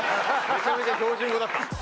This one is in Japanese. めちゃめちゃ標準語だった。